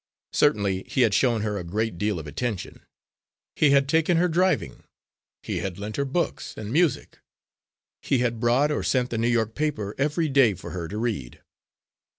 Certainly he had shown her a great deal of attention. He had taken her driving; he had lent her books and music; he had brought or sent the New York paper every day for her to read.